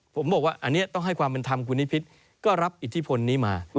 ผมบอกว่าอันนี้ต้องให้ความเป็นธรรมคุณนิพิษก็รับอิทธิพลนี้มา